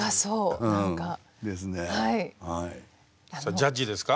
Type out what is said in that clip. さあジャッジですか？